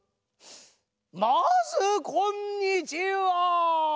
まずこんにちは。